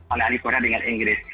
oleh korea dengan inggris